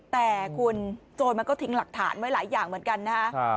แต่คุณโจรมันก็ทิ้งหลักฐานไว้หลายอย่างเหมือนกันนะฮะ